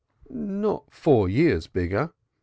"Not four years bigger.